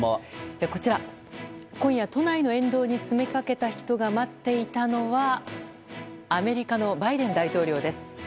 こちら、今夜都内の沿道に詰めかけた人が待っていたのはアメリカのバイデン大統領です。